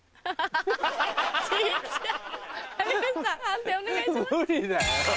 判定お願いします。